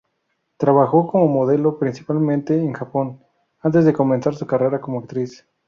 Trabajó como modelo, principalmente en Japón, antes de comenzar su carrera como actriz.